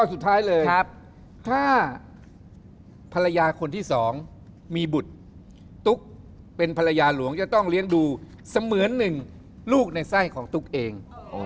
สุดท้ายเลยถ้าภรรยาคนที่สองมีบุตรตุ๊กเป็นภรรยาหลวงจะต้องเลี้ยงดูเสมือนหนึ่งลูกในไส้ของตุ๊กเอง